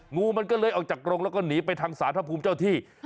งูมันก็เลยออกจากกรงแล้วก็หนีไปทางศาลพระภูมิเจ้าที่